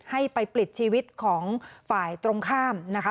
ให้ไปปลิดชีวิตของฝ่ายตรงข้ามนะคะ